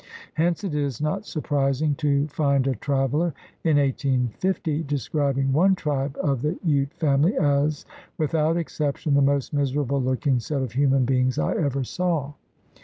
Hence it is not surprising to find a traveler in 1850 describing one tribe of the Ute family as "without exception the most miser able looking set of human beings I ever saw.